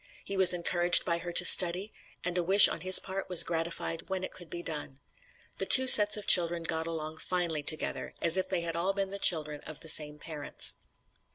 He was encouraged by her to study, and a wish on his part was gratified when it could be done. The two sets of children got along finely together, as if they all had been the children of the same parents."